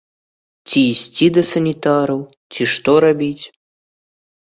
Ці ісці да санітараў, ці што рабіць?